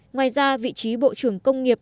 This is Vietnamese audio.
ngoài ra vị trí bộ trưởng công nghiệp